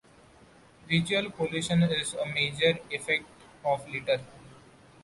Visual pollution is a major effect of litter.